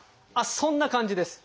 そんな感じです。